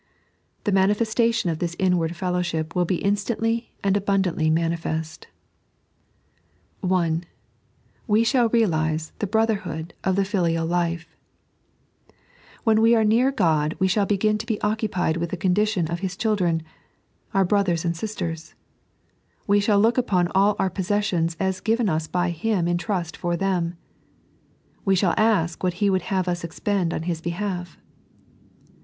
The manifestation of this inward fellowship wiU be instantly and abundantly manifest. (1) We thaU reaike the Brotherhood of the Fiiial Life. When we are near Ood we shall begin to be occupied with the condition of His children — our brethren and sisters ; we shall look upon all our possessions as given us by Him in trust for them ; we shall ask what He would have us expend on TT'" behalf.